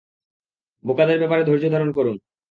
বোকাদের ব্যাপারে ধৈর্যধারণ করুন।